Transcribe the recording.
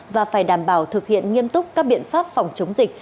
và phải đảm bảo thực hiện nghiêm túc các biện pháp phòng chống dịch